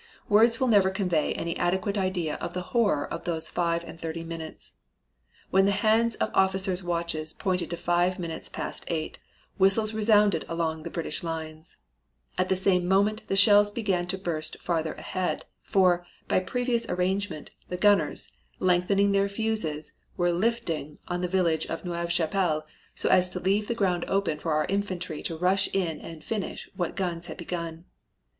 "Words will never convey any adequate idea of the horror of those five and thirty minutes. When the hands of officers' watches pointed to five minutes past eight, whistles resounded along the British lines. At the same moment the shells began to burst farther ahead, for, by previous arrangement, the gunners, lengthening their fuses, were 'lifting' on to the village of Neuve Chapelle so as to leave the road open for our infantry to rush in and finish what the guns had begun.